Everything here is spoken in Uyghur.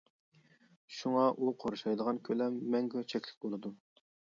شۇڭا، ئۇ قورشايدىغان كۆلەم مەڭگۈ چەكلىك بولىدۇ.